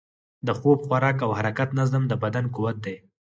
د خوب، خوراک او حرکت نظم، د بدن قوت دی.